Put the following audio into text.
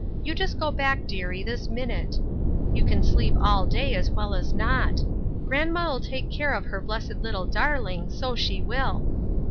You just go back, dearie, this minute. You can sleep all day as well as not. Grandma'll take care of her blessed little darling, so she will."